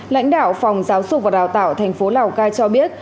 lãnh đạo phòng giáo dục và đào tạo thành phố lào cai cho biết